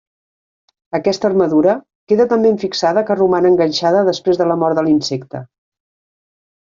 Aquesta armadura queda tan ben fixada que roman enganxada després de la mort de l'insecte.